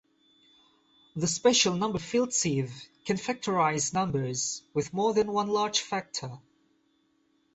The special number field sieve can factorize numbers with more than one large factor.